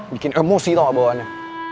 bikin emosi tau gak bawahannya